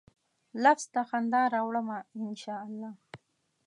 لفظ ته خندا راوړمه ، ان شا الله